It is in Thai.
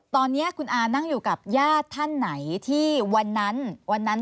ตอนนี้คุณอานั่งอยู่กับญาติท่านไหนที่วันนั้นวันนั้น